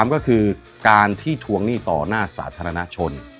ก็คือการที่ทวงหนี้ต่อหน้าสาธารณชน